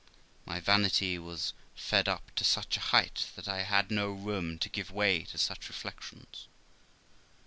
My vanity was fed up to such a height that I had no room to give way to such reflections.